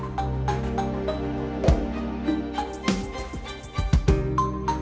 yang aku sedang tanya